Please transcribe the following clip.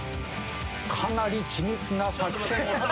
かなり緻密な作戦を。